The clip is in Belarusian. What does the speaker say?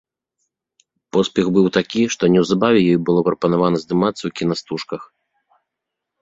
Поспех быў такі, што неўзабаве ёй было прапанавана здымацца ў кінастужках.